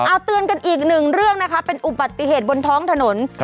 เอาเตือนกันอีกหนึ่งเรื่องนะคะเป็นอุบัติเหตุบนท้องถนน